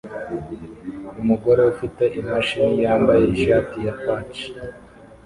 Umugore ufite imashini yambaye ishati ya pach